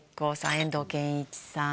遠藤憲一さん